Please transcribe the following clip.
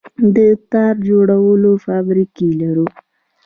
د تار جوړولو فابریکې لرو؟